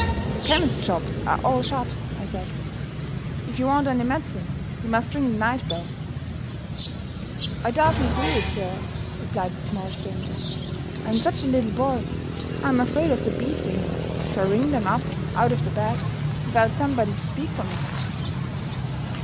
"The chemists' shops are all shut," I said. "If you want any medicine, you must ring the night bell." "I dursn't do it, sir," replied the small stranger. "I am such a little boy, I'm afraid of their beating me if I ring them up out of their beds, without somebody to speak for me."